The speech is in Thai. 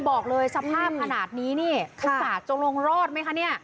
บอกเลยสภาพนี้อนห้าจงลงรอดไหมคะเนี่ย